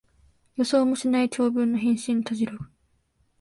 予想もしない長文の返信にたじろぐ